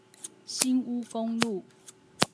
新烏公路